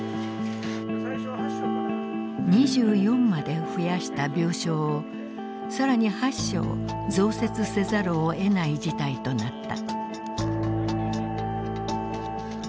２４まで増やした病床を更に８床増設せざるをえない事態となった。